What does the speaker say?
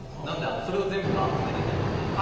なのでそれを全部集めなきゃなので。